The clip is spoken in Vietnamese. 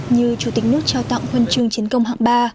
như chủ tịch nước trao tặng huân chương chiến công hạng ba